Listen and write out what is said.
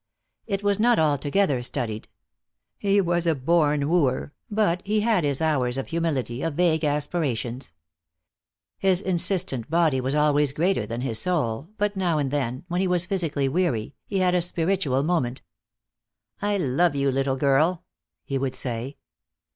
It was not altogether studied. He was a born wooer, but he had his hours of humility, of vague aspirations. His insistent body was always greater than his soul, but now and then, when he was physically weary, he had a spiritual moment. "I love you, little girl," he would say.